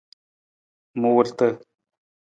Muurata.